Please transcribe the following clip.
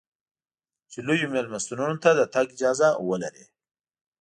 چې لویو مېلمستونو ته د تګ اجازه ولرې.